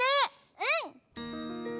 うん！